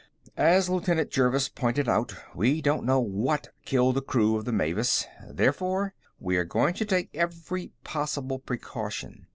As Lieutenant Jervis pointed out, we don't know what killed the crew of the Mavis; therefore, we are going to take every possible precaution.